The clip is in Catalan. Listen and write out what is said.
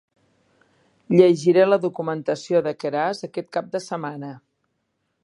Llegiré la documentació de Keras aquest cap de setmana.